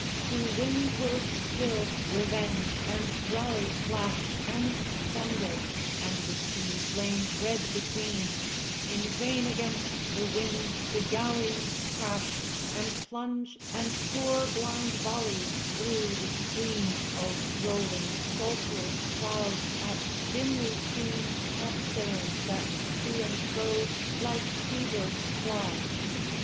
To windward still Revenge and Raleigh flash And thunder, and the sea flames red between: In vain against the wind the galleons crash And plunge and pour blind volleys thro' the screen Of rolling sulphurous clouds at dimly seen Topsails that, to and fro, like sea birds fly!